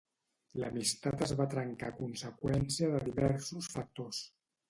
L'amistat es va trencar a conseqüència de diversos factors.